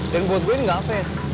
dan menurut gue ini gak fair